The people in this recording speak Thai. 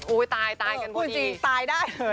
โอ๊ยตายกันพอดีตายได้เลย